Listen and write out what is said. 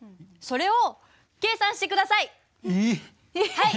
はい。